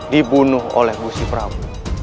dibunuh oleh gusti prabu